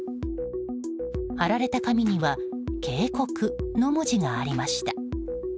貼られた紙には「警告」の文字がありました。